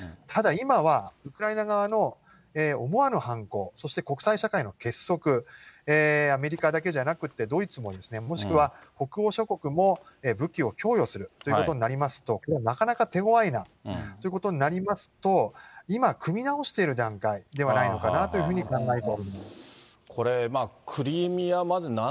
ただ、今はウクライナ側の思わぬ犯行、そして国際社会の結束、アメリカだけじゃなくてドイツも、もしくは北欧諸国も武器を供与するということになりますと、なかなか手ごわいなということになりますと、今、組み直している段階ではないのかなと考えております。